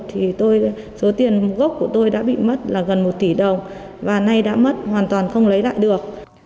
thì số tiền gốc của tôi đã bị mất là gần một tỷ đồng và nay đã mất hoàn toàn không lấy lại được